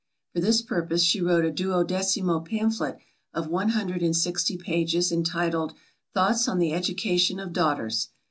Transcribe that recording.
For this purpose she wrote a duodecimo pamphlet of one hundred and sixty pages, entitled, Thoughts on the Education of Daughters.